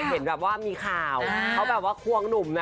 เห็นแบบว่ามีข่าวเขาแบบว่าควงหนุ่มนะ